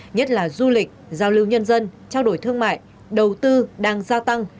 nhất là du lịch giao lưu nhân dân trao đổi thương mại đầu tư đang gia tăng